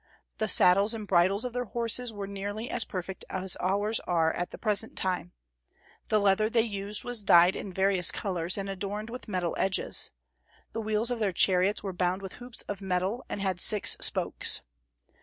The saddles and bridles of their horses were nearly as perfect as ours are at the present time; the leather they used was dyed in various colors, and adorned with metal edges. The wheels of their chariots were bound with hoops of metal, and had six spokes.